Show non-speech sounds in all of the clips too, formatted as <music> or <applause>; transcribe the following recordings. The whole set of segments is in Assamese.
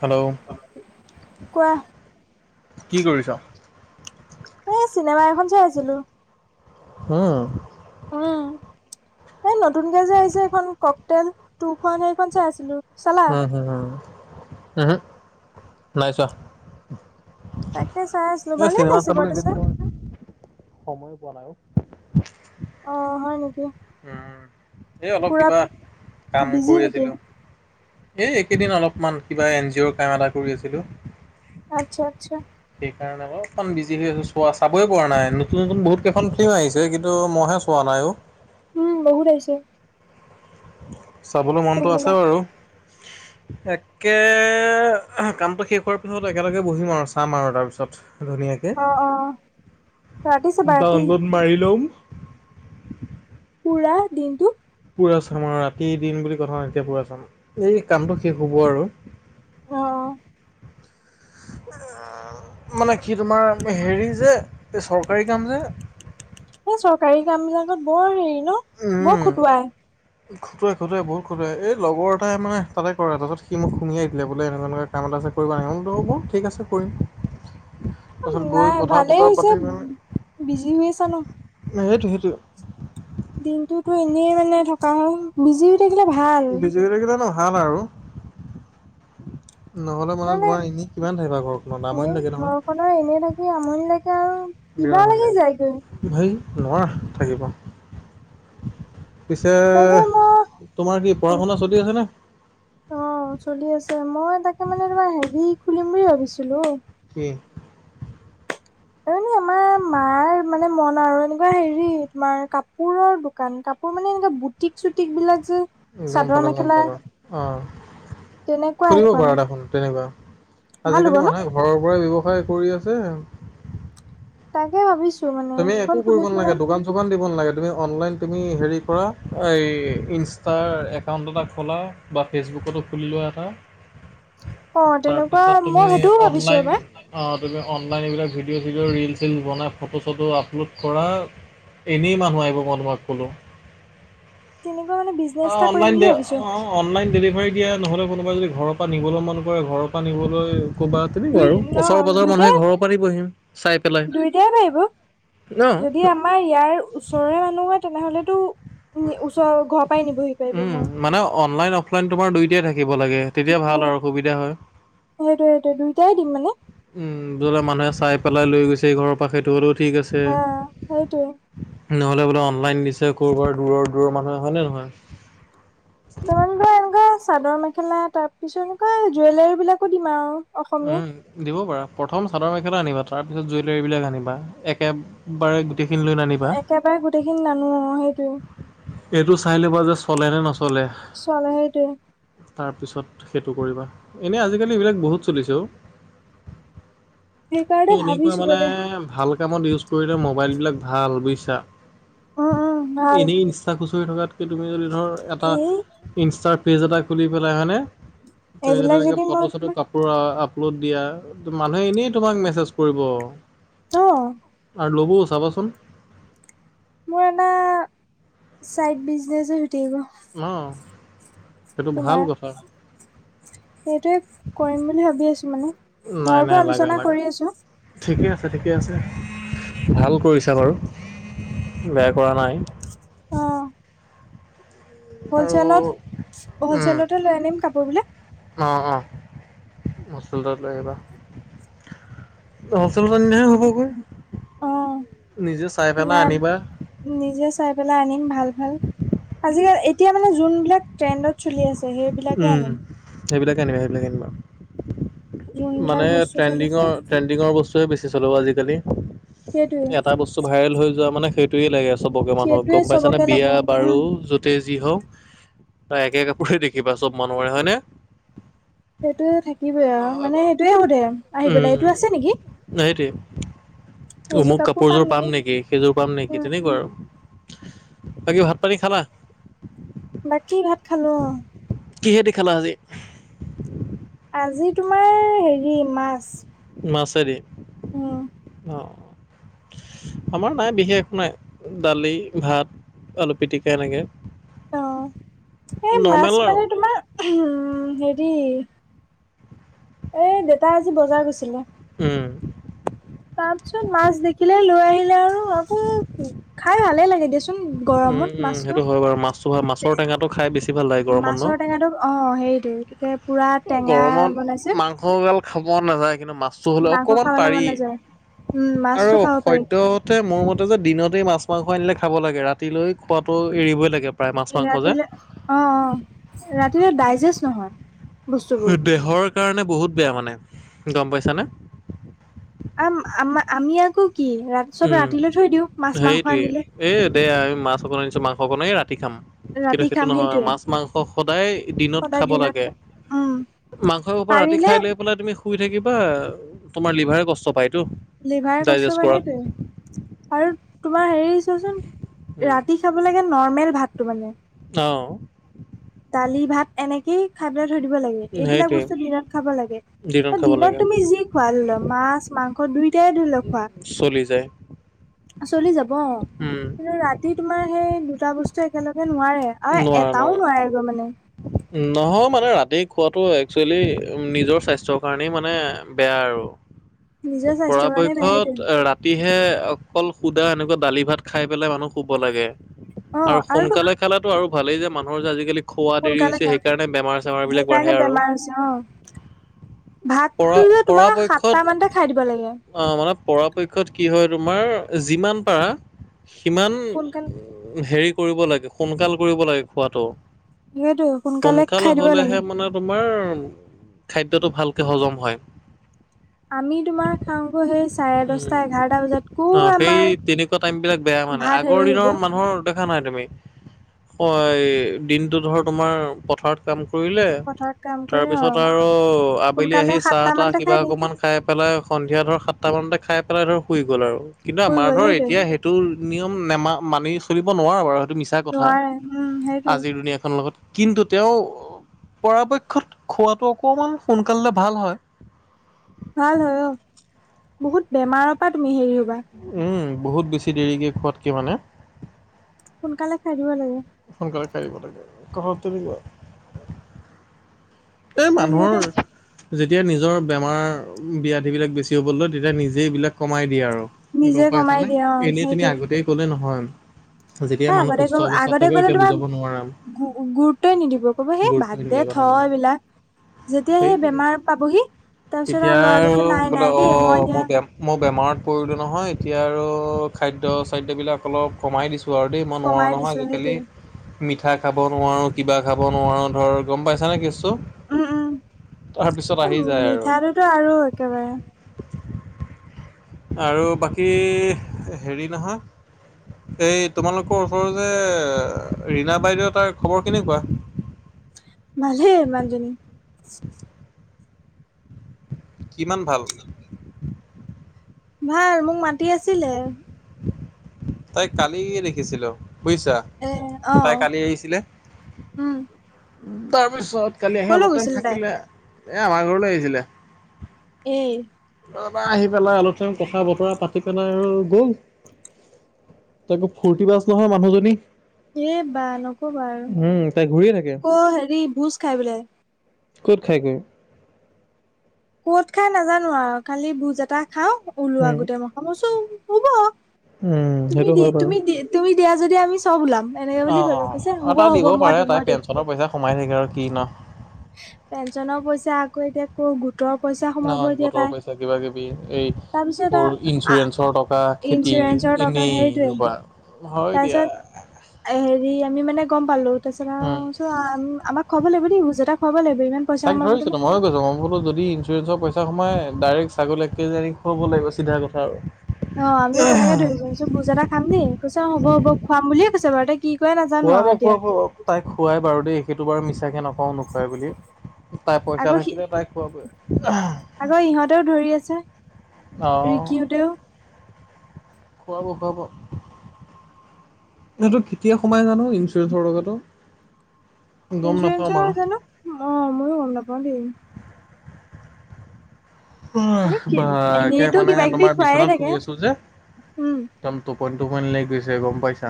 হেল্ল' কোৱা কি কৰিছ এই চিনেমা এখন চাই আছিলো হ অ উম এই নতুনকে যে আহিছে এইখন কক তেল টুখন সেইখন চাই আছিলো। চালা হ অ ওম হো নাই চোৱা তাকে চাই আছিলো এ ভালে চিনেমা লাগিছে চাবলৈ বাৰু যে চাই সময়ে পোৱা নাই অ অ হয় নেকি উম এই অলপ পুৰা কিবা কাম বিজি কৰি নেকি আছিলো। এই এককেইদিন অলপমান কিবা এন জি অ'ৰ কাম এটা কৰি আছিলোঁ। আচ্ছা, আচ্ছা। সেইকাৰণে অলপমান বিজি হৈ আছোঁ। চোৱা চাবই পোৱা নাই। নতুন নতুন বহুত কেইখন ফিল্ম আহিছে কিন্তু মইহে চাব পোৱা নাই অ '। উম। বহুত আহিছে। চাবলো মনটো ফিল্ম আছে বিলাক বাৰু। একে কামটো শেষ হোৱাৰ পিছত একেলগে বহিম আৰু চাম আৰু তাৰপিছত। ধুনীয়াকে অ অ ৰাতি চাবা ৰাতি ডাউনলোড মাৰি লম। পুৰা দিনটো পুৰা চাম আৰু ৰাতি দিন বুলি কথা নাই, তেতিয়া পুৰা চাম। এই কামটো শেষ হ'ব আৰু। অঁ মানে কি তোমাৰ হেৰি যে এই চৰ কাৰী কাম যে এই চৰকাৰী কাম বিলাকত বৰ হেৰি ন'? বৰ খুটুৱাই। খুটুৱাই, খুটুৱাই বহুত খুটুৱাই। এই লগৰ এটাই মানে তাতে কৰে। তাৰপিছত সি মোক শুমিয়াই দিলে বোলে এনেকুৱা তেনেকুৱা কাম এটা আছে কৰিবা নেকি? মই বোলো হ'ব ঠিক আছে কৰিম। তাৰপাছত নাই গৈ কথা ভালেই -বতৰা হৈছে পাতি মেলি বিজি হৈ আছা ন'? সেইটো, সেইটোৱে। দিনটোতো এনেই মানে থকা হয়। বিজি থাকিলে ভাল বিজি হৈ থাকিলে মানে ভাল আৰু। নহ'লে মানে তোমাৰ এনেই কিমান থাকিবা ঘৰখনট আমনি লাগে নহয়। সদায় এনেই থাকি আমনি লাগে আৰু বেয়া কিবা লাগি মানে, যায়গৈ। ধেই নোৱাৰা থাকিব। পিছে তাকে মই তোমাৰ কি পঢ়া -শুনা চলি আছেনে? অঁ, চলি আছে। মই তাকে মানে তোমাৰ হেৰি খুলিম বুলি ভাবিছিলোঁ। কি? <unintelligible> মাৰ মানে মন আৰু এনেকুৱা হেৰি তোমাৰ কাপোৰৰ দোকান। কাপোৰ মানে এনেুৱা বুটিক -চুটিক বিলাক যে গম চাদৰ পালো, গম মেখেলা পালোঁ। অঁ, তেনেকুৱা খুুলিব এখন পাৰা দেখোন তেনেকুৱা। ভাল হ'ব আজিকালি ন মানুহে ঘৰৰ পৰাই ব্যৱসায় কৰি আছে। তাকে ভাৱিছোঁ। তুমি একো কৰিব নালাগে দোকান যোগান দিব নালাগে। তুমি অনলাইন, তুমি হেৰি কৰা এই ইনষ্ট্ৰাৰ একাউণ্ট এটা খোলা বা ফেচবুকটো খুলি লোৱা এটা অ' তেনেকুৱা তাৰপিছত মই তুমি সেইটোও ভাবিছো অনলাইন এবাৰ অঁ, তুমি অনলাইন এইবিলাক ভিডিঅ' - চিদিও ৰিল- চিল বনাই ফটো ফটো আপলোড কৰা। এনেই মানুহ আহিব মই তোমাক ক'লোঁ। তেনেকুৱা মানে বিজনেছ অ', এটা অনলাইন কৰিম দে বুলি অ', ভাবিছোঁ। অ, অনলাইন ডেলিভাৰী দিয়া, নহ'লে কোনোবাই যদি ঘৰৰ পৰা নিবলো মন কৰে, ঘৰৰ পৰা নিবলৈ ক'বা তেনেকুৱা দুই আৰু। ন ওচৰ- পাজৰ মানুহে ঘৰৰ পৰা নিবহি চাই পেলাই। তেতিয়াই পাৰিব ন? যদি আমাৰ ইয়াৰ ওচৰৰে মানুহ হয় তেনেহলেতো উম নি -ওচৰৰ ঘৰৰপাই নিবহি পাৰিব উম, মোৰ মানে অনলাইন, অফলাইন তোমাৰ দুয়োটাই থাকিব লাগে তেতিয়া ভাল আৰু সুবিধা হয়। সেইটোৱে সেইটোৱে দুইটাই দিম মানে। উম, ধৰা মানুহে চাই পেলাই লৈ গৈছে ঘৰৰ পা সেইটোতো ঠিক আছে অ সেইটোৱে নহলে বোলে অনলাইন দিছে ক'ৰবাৰ দূৰৰ দূৰৰ মানুহে হয় নে নহয়? তাৰমান পৰা এনেকুৱা চাদৰ মেখেলা তাৰ পিছত এনেকুৱা জুৱেলাৰী বিলাকো দিম আৰু অসমীয়া উম, দিব পাৰা প্ৰথম চাদৰ মেখেলা আনিবা তাৰ পিছত জুৱেলৰী বিলাক আনিবা একে বাৰে গোটেইখিনি লৈ নানিবা তেতিয় পৰা গোটেইখিনি নানো অ', সেইটোৱে। এইটো চাই লবা যে চলেনে নচলে। চলে সেইটোৱে তাৰপিছত সেইটো কৰিবা, এনেই আজিকালি এইবিলাক বহুত চলিছে অ', সেইকাৰণে এনেকুৱা ভাবিছো মানে ভাল কামত ইউজ কৰিলে মোবাইলবিলাক ভাল বুজিছা। অ', অ', এনেই ইনষ্টা খুঁচৰি থকাতকৈ তুমি যদি ধৰ এটা এই ইনষ্টাৰ পেজ এটা খুলি পেলাই হয় নে, তুমি যদি এইবিলাক এনেকে মই ফটো চটো তোমাৰ পুৰা আপলোড দিয়া মানুহে এনেই তোমাক মেছেজ কৰিব। অ আৰু ল'বও চাবাচোন। মোৰ এটা ছাইড বিজনেছ হৈ থাকিব। অ', সেইটো ভাল তোমাৰ কথা। সেইটোৱে কৰিম বুলি ভাবি আছোঁ মানে নাই নাই ঘৰটো লাগা আলোচনা লাগা কৰি আছোঁ। ঠিকে আছে, ঠিকে আছে ভাল কৰিছা বাৰু বেয়া কৰা নাই। অ', আৰু হ'লচেলত - হ'লচেলতে লৈ আনিম কাপোৰবিলাক অ', অ', হলছেলতে লৈ আহিবা। হলচেলত আনিলহে হ'বগৈ অ নিজে চাই পেলাই নাই আনিবা। নিজে চাই পেলাই আনিম ভাল ভাল। আজিকালি এতিয়া মানে যোনবিলাক ট্ৰেণ্ডত চলি আছে সেই উম, সেইবিলাকে আনিবা সেইবিলাক আনিবা। যোনবিলাক মানে বস্তু চলিছে ট্ৰেণ্ডিঙৰ ট্ৰেণ্ডিঙৰ বস্তু বেছি চলিব আজি কালি, সেইটোৱে এটা বস্তু ভাইৰেল হৈ যোৱা মানে সেই সেইটোৱে লাগে চবকে মানুহক সেইটোৱে গম পাইছানে চবকে লাগে বিয়া উম বাৰু যতেই যি হওক তই একে কাপোৰে দেখিবা চব মানুহৰে হয়নে? সেইটো থাকিবই আৰু মানে সেইটোয়ে সোধে আহি পেলাই এইটো উম আছে নেকি? সেইটোৱে অমোক কাপোৰযোৰ পাম নেকি সেইযোৰ পাম নেকি উম তেনেকুৱা আৰু বাকী ভাত পানী খালা? বাকী ভাত খালো অ'। কিহেদিখালা আজি? আজি তোমাৰ হেৰি মাছ। মাছে দি উম, অ', আমাৰ নাই বিশেষ নাই দালি ভাত আলু পিটিকা এনেকে অ', এই মাছ নৰ্মেল আৰু মানে তোমাৰ উম, হেৰি এই দেউতা আজি বজাৰ গৈছিলে উম, তাৰ পিছত মাছ দেখিলে লৈ আহিলে আৰু আকৌ খাই ভালে লাগে দে উম গৰমত উম মাছটো সেইটো হয় বাৰু মাছো ভাল মাছৰ টেঙাটো খাই বেছি ভাল লাগে গৰমত ন মাছৰ টেঙাটো অ হেৰিটো তে পুৰা টেঙা বনাইছে মাংস গাল খাব নাযায় কিন্তু মা চ হ'লে মাংস অকণমান খাবলৈ মন পাৰি নাযায় উম আৰু মাছটো খাব পাৰি সদ্য মোৰ মতে যে দিনতেই মাছ মাংস আনিলে খাব লাগে ৰাতিলৈ খোৱাটো এৰিবই লাগে প্ৰায় মাছ মাংস যে ৰাতিলে অ অ ৰাতিলে ডাইজেষ্ট নহয় বস্তুবোৰ দেহৰ কাৰণে বহুত বেয়া মানে গম পাইছানে আ আম আমি আকৌ কি ৰা চব ৰাতিলৈ থৈ দিওঁ মাছ মাংস আনিলে এ দে আমি মাছ অকণ আনিছো মাংস বনাই ৰাতি খাম কিন্তু ৰাতি সেইটো খাম নহয় সেইটোৱে মাছ মাংস সদায় দিনত সদায় খাব দিনত লাগে উম মাংসৰ ওপৰ ৰাতি পাৰিলে খাই লৈ তুমি শুই থাকিবা তোমাৰ লিভাৰে কষ্ট পায়তো লিভাৰ কষ্ট ডাইজেষ্ট পায় কৰাত সেইটোৱে য়ে আৰু তোমাৰ হেৰি চোৱাচোন ৰাতি খাব লাগে নৰ্মেল ভাতটো মানে অ দালি ভাত এনেকেই খাই পেলায় থৈ দিব লাগে এইবিলাক সেইটোৱে বস্তু দিনত খাব লাগে খাব দিনত লাগে তুমি যি খুৱা ল মাছ মাংস দুইটাই ধৰি ল খোৱা চুলি যায় চলি যাব অ উম, কিন্তু ৰাতি তোমাৰ সেই দুটা বস্তু একেলগে নোৱাৰে আৰু নোৱাৰে এটাও নোৱাৰে নোৱাৰেগৈ মানে নহয় মানে ৰাতি খোৱাটো একচুৱেলি নিজৰ স্বাস্থ্যৰ কাৰণেই মানে বেয়া আৰু নিজৰ স্বাস্থ্যৰ কাৰণে বেয়া পৰাপক্ষত সেইটোৱে ৰাতি তিহে অকল শুদা এনেকুৱা দালি ভাত খাই পেলাই মানুহ শুব লাগে অ আৰু তো সোনকালে খালেটো আৰু ভালেই যে মানুহৰ যে আজিকালি খোৱা দেৰি সোনকালে হৈছে খা সেইকাৰণে বেমাৰ চেমাৰ বিলাক বাঢ়ে সেইকাৰণে আৰু বেমাৰ হৈছে অ পৰা ভাতটো যে তোমাৰ পৰাপক্ষত সাতটা মানতে খাই দিব লাগে অ মানে পৰাপক্ষত কি হয় তোমাৰ যিমান পাৰা সিমান সোনকালে হেৰি কৰিব লাগে সোনকাল কৰিব লাগে খোৱাটো সেইটো সোনকালে সোনকাল খাই দিব লাগে হলেহে মানে তোমাৰ খাদ্যটো ভালকে হজম হয় আমি তোমাৰ খাংক সেই চাৰে দশটা উম এঘাৰটা বজাত কৌ অ সেই আমাৰ তেনেকুৱা টাইম বিলাক বেয়া মানে ভাত আগৰ হেৰি হ'ব দিনৰ মানুহৰ দেখা নাই তুমি দিনটো ধৰ তোমাৰ পথাৰত কাম কৰিলে পথাৰত কাম কৰি অ তাৰপিছত আৰু আবেলি সোনকালে আহি চাহ সাতটা তাহ মানতে কিবা খাই দিয়ে অকমান খাই পেলাই সন্ধিয়া ধৰ সাতটা মানতে খাই পেলাই ধৰ শুই গ'ল আৰু কিন্তু শুই আমাৰ গ'ল ধৰ সেইটোৱে এতিয়া সে সটো নিয়ম নেমা মানি চলিব নোৱাৰোঁ বাৰু সেইটো মিছা কথা নোৱাৰে উম সেইটোৱে আজিৰ দুনীয়াখনৰ লগত কিন্তু তেওঁ পৰাপক্ষত খোৱাটো অকমান সোনকালে ভাল হয় ভাল হয় অ বহুত বেমাৰৰ পৰা তুমি হেৰি হ'বা উম বহুত বেছি দেৰিকে খোৱাতকে মানে সোনকালে খাই দিব লাগে সোনকালে খাই শুব লাগে <unintelligible> এ আজিকালি মানুহৰ যেতিয়া নিজৰ বেমাৰ ব্যাধি বিলাক বেছি হব লয় তেতিয়া নিজে এইবিলাক কমাই দিয়ে আৰু গ'ম নিজে পাইছা কমাই নে দিয়ে অ এনেই তুমি সেইটোৱে আগতেই ক'লে নহয় যেতিয়া হা মানুহ আগতে ক সুস্থ অৱস্থাত আগতে থাকে গ'লে তেতিয়া তোমাক বুজাব নোৱাৰম গুৰুত্বই নিদিব ক'ব সেই বাদ দে থ এইবিলাক <unintelligible> যেতিয়া সেই সেইটোয়ে, বেমাৰ পাবহি তাৰপিছত তেতিয়া আৰু ল'ৰাটোকে নাই বোলে নাই অ দেই এতিয়া মই বেয়া মই, বেমাৰত পৰিলো নহয় এতিয়া আৰু খাদ্য চাদ্যবিলাক অলপ কমাই দিছো। দিছোঁ আৰু দেই, মই নোৱাৰোঁ কমাই নহয় দিছো আজিকালি। সেইটোৱে মিঠা খাব নোৱাৰো, কিবা খাব নোৱাৰো, ধৰ গম পাইছা নে কেছটো। উম তাৰ পিছত আহি যায় আৰু। টো আৰু একেবাৰে আৰু বাকী হেৰি নহয় এই তোমালোকৰ ওচৰৰ যে ৰিনা বাইদেউ তাৰ খবৰ কেনেকুৱা? ভালেই মানজনী। কিমান ভাল? <unintelligible> ভাল, মোক মাতি আছিলে। তাইক কালি দেখিছিলো বুজিছা। এ, তাই অ, কালি আহিছিলে। উম! তাৰপিছত কালি আহি কলৈ অলপ টাইম গৈছিল তাই থাকিলে, এ আমাৰ ঘৰলৈ আহিছিলে। এই তাৰপা আহি পেলাই অলপ-চলপ কথা-বতৰা পাতি পেলাই আৰু গ'ল। তাকো ফূৰ্তি বাছ নহয় মানুহজনী। এ বা নকবা আৰু! উম তাই ঘূৰিয়ে থাকে ক হেৰি ভোজ খাই বোলে। ক'ত খাইগৈ? কত খাই নাজানো আৰু? খালি ভোজ এটা খাও ওলোৱা উম গোটেই মখা, মই বোলো হব। উম তুমি সেইটো দি হয় বাৰু। তুমি তুমি দিয়া যদি আমি চব ওলাম এনেকে অ বুলি ক'লো! কৈছে আৰু হ'ব তাই হ'ব দিব মই পাৰে দিম, তাই মই দিম, পেঞ্চনৰ পইচা সোমাই থাকে আৰু কি ন পেঞ্চনৰ পইচা, আকৌ এতিয়া কৌ গোটৰ পইচা সোমাব সেইদিনাখন এতিয়া গোটৰ তাই পইচা কিবা-কিবি তাৰপিছত এই আৰু ইঞ্চুৰেঞ্চৰ টকা, খেতিৰ, ইঞ্চুৰেঞ্চৰ টকা এনেই সেইটোৱে এইহোপা, হয় দিয়া। তাৰপিছত হেৰি আমি মানে গম পালো, তাৰপিছত উম! কৈছোঁ - আমাক খুৱাব লাগিব দেই, ভোজ এটা খুৱাব লাগিব। ইমান পইচা তাইক সোমাব তোমাৰ ধৰিছিলোঁ, মইয়ো কৈছোঁ - মই বোলো যদি ইঞ্চুৰেঞ্চৰ পইচা সোমাই, ডাইৰেক্ট ছাগলী এক কেজি আনি খুৱাব লাগিব চিধা কথা আৰু। অ আমিও তেনেকে ধৰিছোঁ, কৈছোঁ ভোজ এটা খাম দেই। কৈছে অ হব হব খুৱাম বুলিয়ে কৈছে বাৰু দেই খুৱাব, খুৱাব, তাই খোৱাই বাৰু দেই সেইটো বাৰু মিছাকে নকওঁ নোখোৱাই বুলি। তাই পইচা আকৌ সি থাকিলে তাই খোৱাবই। আকৌ ৰিকিহতেও খুৱাব, খুৱাব! সেইটো, কেতিয়া সোমাই জানো ইঞ্চুৰেঞ্চৰ টকাটো? গম নাপাওঁ বাৰু। ইঞ্চুৰেঞ্চৰ জানো! অ ময়ো গম নাপাওঁ দেই। আহ, দেই বাকে এনেইতো মানে কিবা কিবি তোমাৰ খুৱায়ে বিচনাত থাকে শুই আছো যে উম একদম টোপনি-টোপনি লাগি গৈছে গম পাইছা।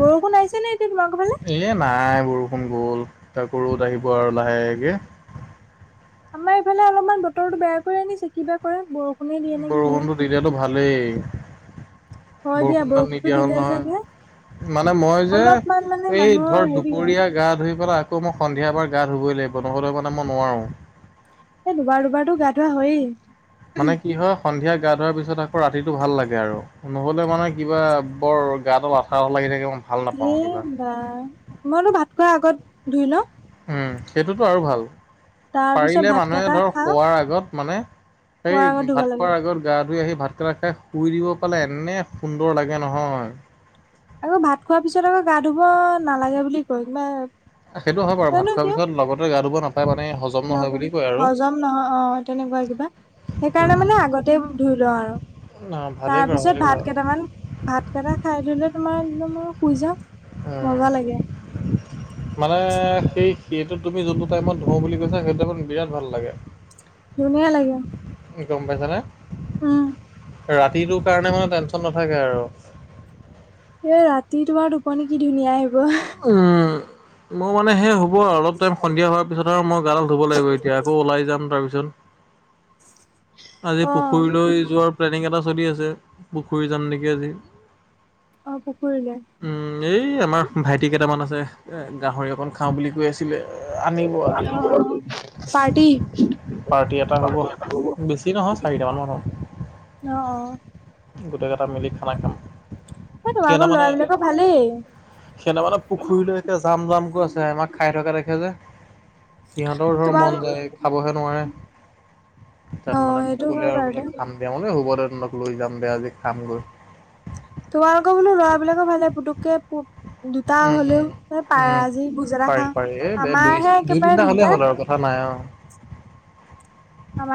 বৰষুণ আহিছে নে এতিয়া তোমালোকৰ ফালে? এ নাই, বৰষুণ গ'ল আকৌ ৰদ আহিব আৰু লাহেকে। আমাৰ এইফালে অলপমান বতৰটো বেয়া কৰি আনিছে, কি বা কৰে বৰষুণে দিয়ে নে কিয়ে? তেতিয়াতো ভালেই হয় দিয়া বৰষুণ দাল বৰষুণটো নিদিয়া হ'ল দিলে চাগে নহয়। মানে মই যে অলপমান মানে এই মানুহৰ ধৰ হেৰি হয় দুপৰীয়া গা ধুই পেলাই আকৌ মই সন্ধিয়া এবাৰ গা ধুবই লাগিব নহ'লে মানে মই নোৱাৰোঁ। এ দুবাৰ দুবাৰতো গা ধুৱা হয়েই। মানে কি হয় সন্ধিয়া গা ধুৱাৰ পিছত আকৌ ৰাতিটো ভাল লাগে আৰু। নহ'লে মানে কিবা বৰ গাদাল আঠা আঠা লাগি থাকে ভাল নাপাওঁ এই কিবা। বা মইটো ভাত খোৱাৰ আগত ধুই লওঁ। উম সেইটোতো আৰু ভাল তাৰ পিছত পাৰিলে ভাত মানুহে কেইটা ধৰ খাওঁ শুৱাৰ আগত মানে সেই খোৱাৰ আগত ধুব ভাত লাগে খোৱাৰ আগত গা ধুই আহি ভাতকেইটা খাই শুই দিব পালে এনে সুন্দৰ লাগে নহয়। আৰু ভাত খোৱাৰ পিছত আকৌ গা ধুব নালাগে বুলি কয় কিবা সেইটো হয় বাৰু ভাত খোৱাৰ পিছত লগতে গা ধুব নাপায় মানে হ লগ, হজম নহয় অ তেনেকুৱা কিবা। সেইকাৰণে মানে আৰু। আগতে ধুই লওঁ আৰু ন ভালেই কৰা তাৰপিছত ভালেই কৰা ভাত উম কেইটামান ভাত কেইটা খাই ল'লে তোমাৰ একদম আৰু শুই যাওঁ। উম। মজা লাগে মানে সেই সেইটো তুমি যোনটো টাইমত ধুঁ বুলি কৈছা সেইটো টাইমত বিৰাট ভাল লাগে। ধুনীয়া লাগে। গম পাইছা নে? উম ৰাতিটো কাৰণে মানে টেনচন নাথাকে আৰু। এতিয়া ৰাতি তোমাৰ টোপনি কি ধুনীয়া আহিব। উম, মোৰ মানে সেই হ'ব আৰু অলপ টাইম সন্ধিয়া হোৱাৰ পিছত মই গাদাল ধুব লাগিব এতিয়া আকৌ ওলাই যাম তাৰপিছত। আজি অ পুখুৰীলৈ যোৱাৰ প্লেনিং এটা চলি আছে পুখুৰী যাম নেকি আজি। অ পুখুৰীলে। উম, এই আমাৰ ভাইটি কেইটামান আছে এ গাহৰি অকণ খাওঁ বুলি কৈ আছিলে। আনিব আজি অ অ পাৰ্টি। পাৰ্টি এটা হ'ব বেছি নহয় চাৰিটামান মান হ'ম। ন' অ। গোটেইকেইটা মিলি খানা খাম। এই সিহঁতে তোমালোকৰ মানে ল'ৰা বিলাকৰ ভালেই। সিহঁতে মানে পুখুৰী লৈকে যাম যাম কৈ আছে আমাক খাই থকা দেখে যে। সিহঁতৰো ধৰ তোমাৰ মন যায় খাবহে নোৱাৰে। তাত অ মানে মোক সেইটো ক'লে হয় আৰু বাৰু বোলে দে খাম দিয়া মই বোলো হ'ব দে তহঁতক লৈ যাম দে আজি খাম গৈ। তোমালোকৰ বোলো ল'ৰা বিলাকৰ ভালে পুতুককে পু দুটা উম হ'লেও উম মানে পাৰা উম আজি ভোজ এটা পাৰি খাওঁ পাৰি এই দুই আমাৰহে দুই একেবাৰে তিনিটা হ'লেই হ'ল দিগদাৰ। আৰু কথা নাই অ'। আমাৰ